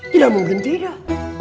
tidak mungkin tidak